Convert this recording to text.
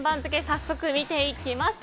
早速、見ていきます。